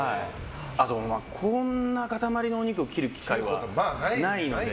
こんな塊のお肉を切る機会はないので。